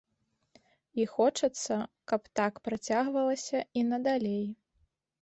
І хочацца, каб так працягвалася і надалей.